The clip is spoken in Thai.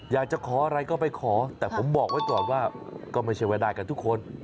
อยากจะขออะไรก็ไปขอแต่ผมบอกไว้ก่อนว่าก็ไม่ใช่ว่าได้กันทุกคน